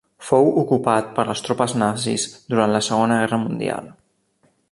Fou ocupat per les tropes nazis durant la Segona Guerra Mundial.